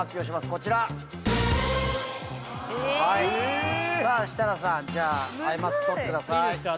こちらええさあ設楽さんじゃあアイマスク取ってくださいいいですか？